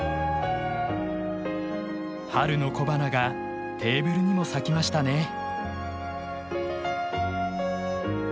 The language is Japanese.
春の小花がテーブルにも咲きましたね。